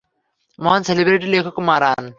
মহান সেলিব্রেটি লেখক মারান।